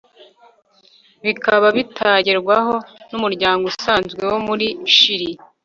bikaba bitagerwaho numuryango usanzwe wo muri Chili